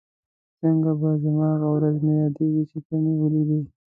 څنګه به زما هغه ورځ نه یادېږي چې ته مې ولیدلې؟